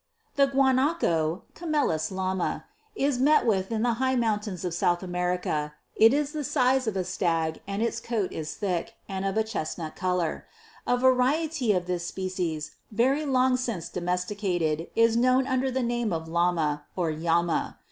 19. [The Guanaco, Camelus Llama, (Plate 5, fig. 5.) is met with in the high mountains of South America ; it is the size of a stag, and its coat is thick, and of a chestnut colour. A variety of this species, very long since domesticated, is known under the name of Lama, or Llama.